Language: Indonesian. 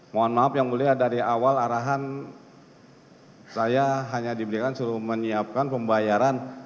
mohon maaf yang mulia dari awal arahan saya hanya diberikan suruh menyiapkan pembayaran